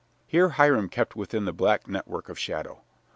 Here Hiram kept within the black network of shadow.